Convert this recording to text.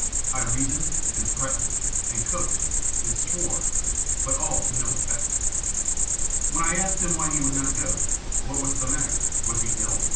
I reasoned, and threatened, and coaxed, and swore, but all to no effect. "When I asked him why he would not go, what was the matter, was he ill?